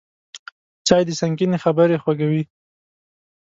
چای د سنګینې خبرې خوږوي